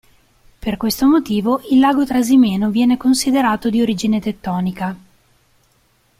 Per questo motivo, il lago Trasimeno viene considerato di origine tettonica.